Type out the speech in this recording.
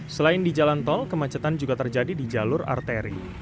selain di jalan tol kemacetan juga terjadi di jalur arteri